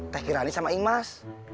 teh kirani sama imas